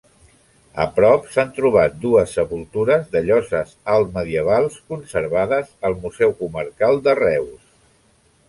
A prop s'han trobat dues sepultures de lloses altmedievals, conservades al Museu Comarcal de Reus.